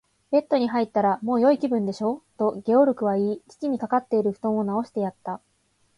「ベッドに入ったら、もうよい気分でしょう？」と、ゲオルクは言い、父にかかっているふとんをなおしてやった。